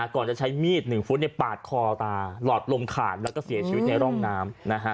ก่อนจะใช้มีด๑ฟุตปาดคอตาหลอดลมขาดแล้วก็เสียชีวิตในร่องน้ำ